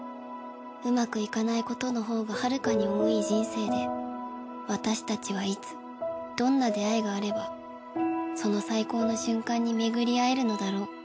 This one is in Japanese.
うまくいかないことのほうがはるかに多い人生で私たちはいつどんな出会いがあればその最高の瞬間に巡り合えるのだろう？